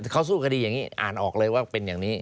เขาสู้คดีอย่างนี้อ่านออกเลยว่าเป็นอย่างนี้